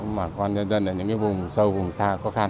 mà con nhân dân ở những cái vùng sâu vùng xa khó khăn